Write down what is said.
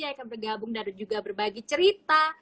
yang akan bergabung dan juga berbagi cerita